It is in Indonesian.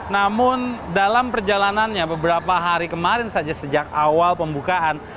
namun dalam perjalanannya beberapa hari kemarin saja sejak awal pembukaan